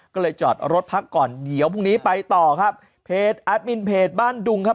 ก็เลยจอดรถพักก่อนเดี๋ยวพรุ่งนี้ไปต่อครับเพจแอดมินเพจบ้านดุงครับ